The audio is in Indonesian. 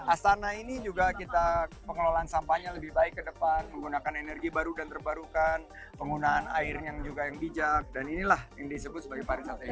astana ini juga kita pengelolaan sampahnya lebih baik ke depan menggunakan energi baru dan terbarukan penggunaan air yang juga yang bijak dan inilah yang disebut sebagai pariwisata